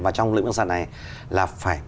và trong lĩnh vực bất động sản này là phải